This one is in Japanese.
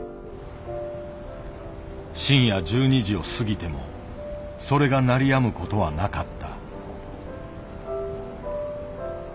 深夜１２時を過ぎてもそれが鳴りやむことはなかった。